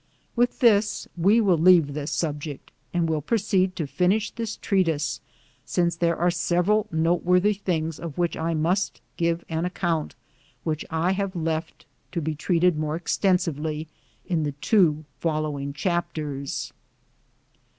With this, we will leave this subject and will proceed to finish this treatise, since there are several noteworthy things of which I must give an account, which I have left to be treated more exten sively in the two following chapters.